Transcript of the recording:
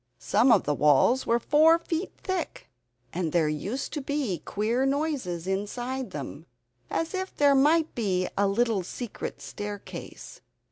Some of the walls were four feet thick, and there used to be queer noises inside them, as if there might be a little secret staircase.